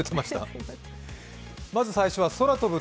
まず最初は空飛ぶ